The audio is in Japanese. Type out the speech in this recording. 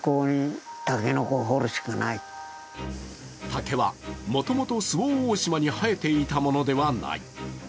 竹はもともと周防大島に生えていたものではない。